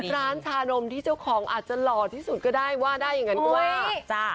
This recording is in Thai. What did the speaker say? ร้านชานมที่เจ้าของอาจจะหล่อที่สุดก็ได้ว่าได้อย่างนั้นก็ว่า